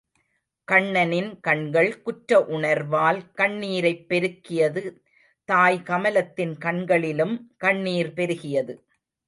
கண்ணனின் கண்கள் குற்ற உணர்வால் கண்ணீரைப் பெருக்கியது தாய் கமலத்தின் கண்களிலும் கண்ணீர் பெருகியது.